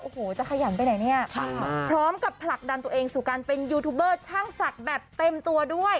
โอ้โหจะขยันไปไหนเนี่ยพร้อมกับผลักดันตัวเองสู่การเป็นยูทูบเบอร์ช่างศักดิ์แบบเต็มตัวด้วย